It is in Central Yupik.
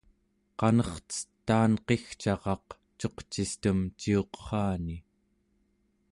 qanercetaanqigcaraq cuqcistem ciuqerrani